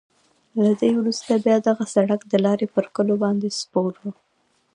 له دې وروسته بیا دغه سړک د لارې پر کلیو باندې سپور وو.